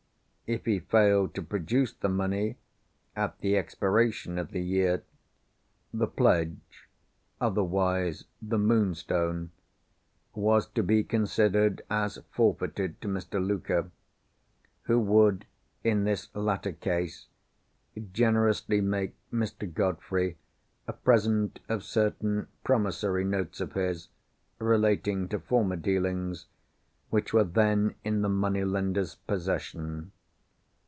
If he failed to produce the money at the expiration of the year, the pledge (otherwise the Moonstone) was to be considered as forfeited to Mr. Luker—who would, in this latter case, generously make Mr. Godfrey a present of certain promissory notes of his (relating to former dealings) which were then in the money lender's possession.